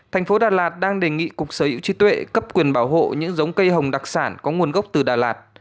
thành phố đà lạt đang đề nghị cục sở hữu trí tuệ cấp quyền bảo hộ những giống cây hồng đặc sản có nguồn gốc từ đà lạt